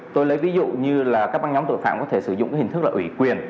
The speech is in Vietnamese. tôi lấy ví dụ như là các băng nhóm tội phạm có thể sử dụng cái hình thức là ủy quyền